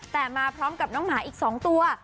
แต่มาพร้อมกับน้องหมาอีก๒ตัว